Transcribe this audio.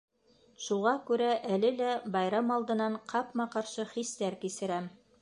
Шуға күрә әле лә байрам алдынан ҡапма-ҡаршы хистәр кисерәм.